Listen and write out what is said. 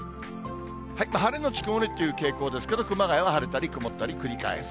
晴れ後曇りという傾向ですけど、熊谷が晴れたり曇ったりを繰り返す。